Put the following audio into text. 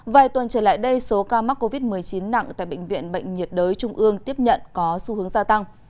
vài tuần trở lại đây số ca mắc covid một mươi chín nặng tại bệnh viện bệnh nhiệt đới trung ương tiếp nhận có xu hướng gia tăng